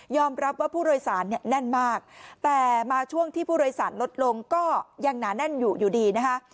รับว่าผู้โดยสารเนี่ยแน่นมากแต่มาช่วงที่ผู้โดยสารลดลงก็ยังหนาแน่นอยู่อยู่ดีนะคะ